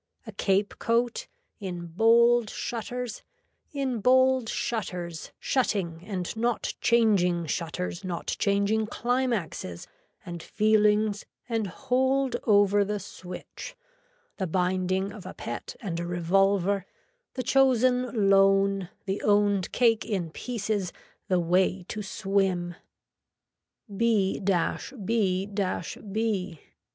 A cape coat, in bold shutters, in bold shutters shutting and not changing shutters not changing climaxes and feelings and hold over the switch, the binding of a pet and a revolver, the chosen loan, the owned cake in pieces, the way to swim. B B B.